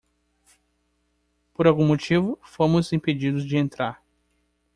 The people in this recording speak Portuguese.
Por algum motivo,? fomos impedidos de entrar.